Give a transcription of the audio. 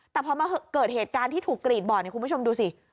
แต่พอมาเกิดเหตุการณ์ที่ถูกกรีดบ่อเนี่ยคุณผู้ชมดูสิ